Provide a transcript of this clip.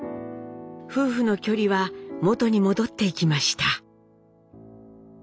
夫婦の距離は元に戻っていきました。